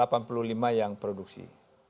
tahun ini baru satu ada yang produksi